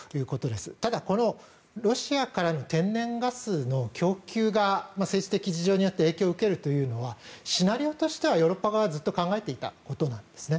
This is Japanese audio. ただ、このロシアからの天然ガスの供給が政治的事情によって影響を受けるというのはシナリオとしてはヨーロッパ側はずっと考えていたことなんです。